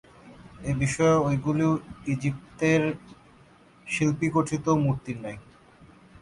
এ বিষয়ে ঐগুলি ইজিপ্তের শিল্পিগঠিত মূর্তির ন্যায়।